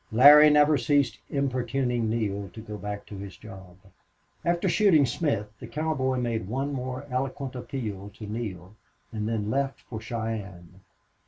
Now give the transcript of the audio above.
Larry never ceased importuning Neale to go back to his job. After shooting Smith the cowboy made one more eloquent appeal to Neale and then left for Cheyenne.